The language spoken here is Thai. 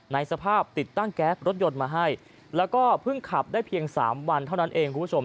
ในสภาพติดตั้งแก๊สรถยนต์มาให้แล้วก็เพิ่งขับได้เพียงสามวันเท่านั้นเองคุณผู้ชม